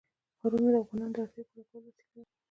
ښارونه د افغانانو د اړتیاوو د پوره کولو وسیله ده.